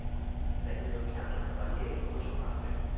Venne nominato cavaliere come suo padre.